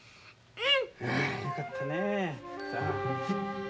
うん。よかったね。